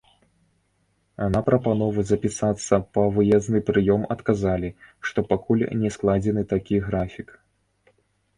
На прапанову запісацца па выязны прыём адказалі, што пакуль не складзены такі графік.